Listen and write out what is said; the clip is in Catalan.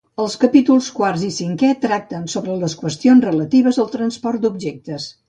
Els capítols quart i cinquè tracten sobre les qüestions relatives al transport d'objectes.